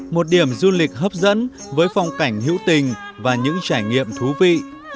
một điểm du lịch hấp dẫn với phong cảnh hữu tình và những trải nghiệm thú vị